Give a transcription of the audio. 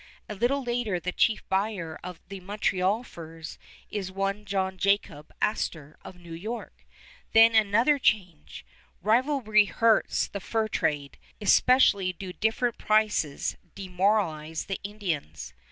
A little later the chief buyer of the Montreal furs is one John Jacob Astor of New York. Then another change. Rivalry hurts fur trade. Especially do different prices demoralize the Indians.